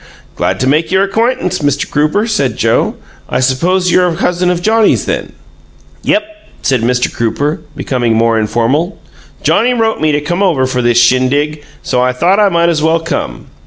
"Glad to make your acquaintance, Mr. Crooper," said Joe. "I suppose you're a cousin of Johnnie's, then?" "Yep," said Mr. Crooper, becoming more informal. "Johnnie wrote me to come over for this shindig, so I thought I might as well come."